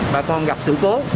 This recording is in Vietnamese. bà con gặp sự cố